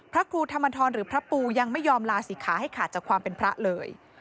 พระครูธรรมทรหรือพระปูยังไม่ยอมลาศิกขาให้ขาดจากความเป็นพระเลย